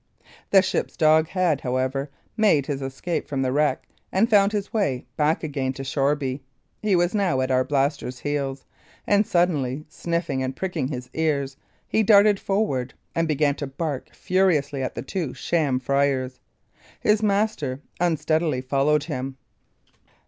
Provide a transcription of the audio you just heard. The ship's dog had, however, made his escape from the wreck and found his way back again to Shoreby. He was now at Arblaster's heels, and suddenly sniffing and pricking his ears, he darted forward and began to bark furiously at the two sham friars. His master unsteadily followed him.